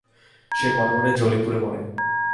সে মনে মনে জ্বলে পুড়ে মরে।